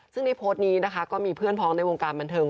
ซึ่งในโพสต์นี้นะคะก็มีเพื่อนพ้องในวงการบันเทิง